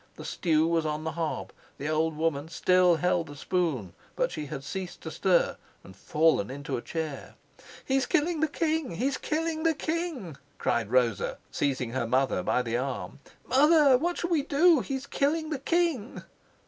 The stew was on the hob, the old woman still held the spoon, but she had ceased to stir and fallen into a chair. "He's killing the king! He's killing the king!" cried Rosa, seizing her mother by the arm. "Mother, what shall we do? He's killing the king!"